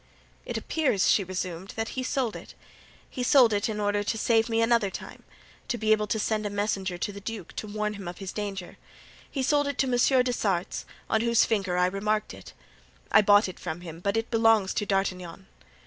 "It appears," she resumed, "that he sold it— he sold it in order to save me another time—to be able to send a messenger to the duke to warn him of his danger—he sold it to Monsieur des Essarts, on whose finger I remarked it. I bought it from him, but it belongs to D'Artagnan.